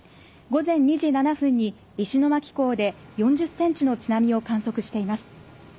午前２時７分に石巻港で４０センチの津波を観測しています。